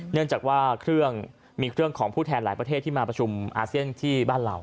เนื่องจากว่าเครื่องมีเครื่องของผู้แทนหลายประเทศที่มาประชุมอาเซียนที่บ้านเรา